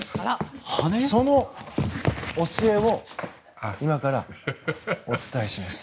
その教えを今からお伝えします。